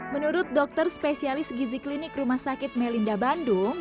menurut dokter spesialis gizi klinik rumah sakit melinda bandung